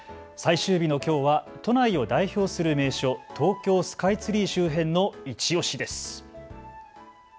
最終日のきょうは都内を代表する名所、東京スカイツリー周辺のいちオシです。